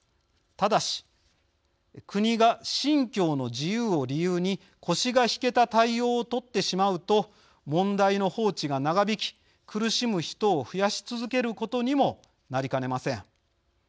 ただし、国が信教の自由を理由に腰が引けた対応を取ってしまうと問題の放置が長引き苦しむ人を増やし続けることにもなりかねません。